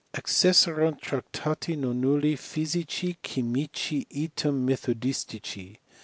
Accesserunt tractati nonnuUi physici chymici item methodistici.''